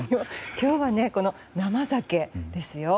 今日は、この生酒ですよ。